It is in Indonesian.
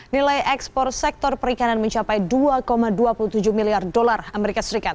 nilai ekspor sektor perikanan mencapai dua dua puluh tujuh miliar dolar as